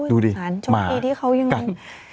อู้วสารชมปีที่เขายังไง